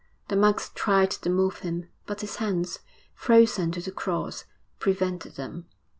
The monks tried to move him, but his hands, frozen to the cross, prevented them.